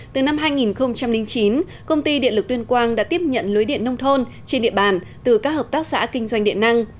từ năm hai nghìn chín công ty điện lực tuyên quang đã tiếp nhận lưới điện nông thôn trên địa bàn từ các hợp tác xã kinh doanh điện năng